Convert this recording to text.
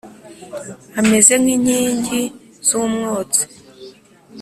Ameze nk’inkingi z’umwotsi